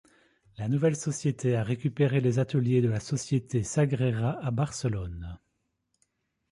La nouvelle société a récupéré les ateliers de la société Sagrera à Barcelone.